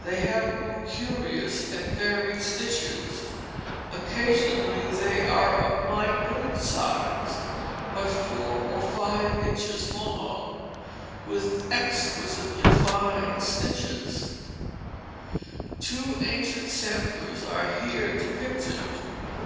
They have more curious and varied stitches. Occasionally they are of minute size, but four or five inches long, with exquisitely fine stitches. [Illustration: Fleetwood Quincy Sampler] Two ancient samplers are here depicted.